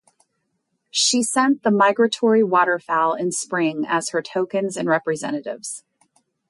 She sent the migratory waterfowl in spring as her tokens and representatives.